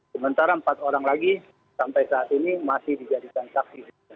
sementara empat orang lagi sampai saat ini masih dijadikan saksi